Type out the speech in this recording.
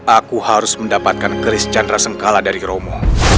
aku harus mendapatkan chris chandra sengkala dari romo